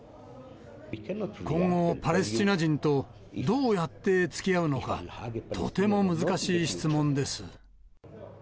今後、パレスチナ人とどうやってつきあうのか、とても難しい質問です。